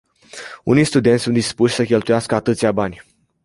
Unii studenți sunt dispuși să cheltuiască atâția bani.